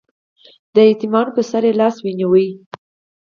د یتیمانو په سر یې لاس ونیو.